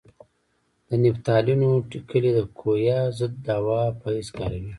د نفتالینو ټېکلې د کویه ضد دوا په حیث کاروي.